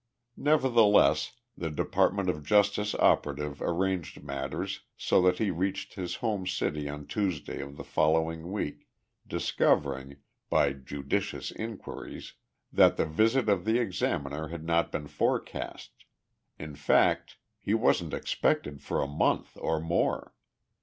Nevertheless the Department of Justice operative arranged matters so that he reached his home city on Tuesday of the following week, discovering, by judicious inquiries, that the visit of the examiner had not been forecast. In fact, he wasn't expected for a month or more.